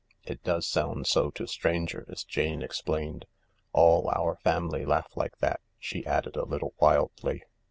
"It does sound so to strangers," Jane explained; "all our family laugh like that," she added a little wildly.